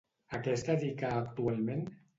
A què es dedica actualment?